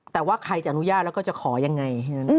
แต่ว่าใครจะอนุญาตแล้วก็จะขอยังไง